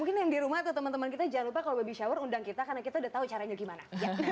mungkin yang di rumah atau teman teman kita jangan lupa kalau baby shower undang kita karena kita udah tahu caranya gimana